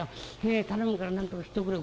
頼むからなんとかしておくれ。